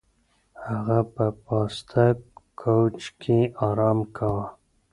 هغه په پاسته کوچ کې ارام کاوه.